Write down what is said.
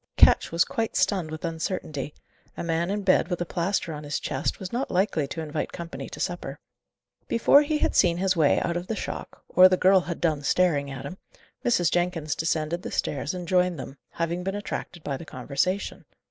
Ketch was quite stunned with uncertainty. A man in bed, with a plaster on his chest, was not likely to invite company to supper. Before he had seen his way out of the shock, or the girl had done staring at him, Mrs. Jenkins descended the stairs and joined them, having been attracted by the conversation.